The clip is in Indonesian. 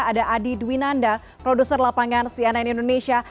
ada adi dwinanda produser lapangan cnn indonesia